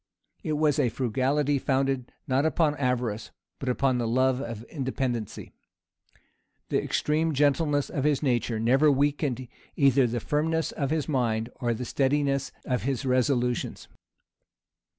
It was a frugality founded not upon avarice, but upon the love of independency. The extreme gentleness of his nature never weakened either the firmness of his mind or the steadiness of his resolutions.